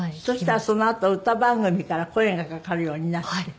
そしたらそのあと歌番組から声がかかるようになって。